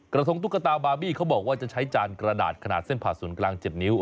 กระทงตุ๊กตาบาร์บี้เขาบอกว่าจะใช้จานกระดาษขนาดเส้นผ่าศูนย์กลาง๗นิ้ว